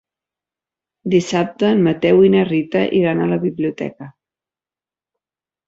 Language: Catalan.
Dissabte en Mateu i na Rita iran a la biblioteca.